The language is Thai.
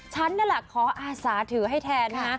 ฉันนั่นแหละขออาสาถือให้แทน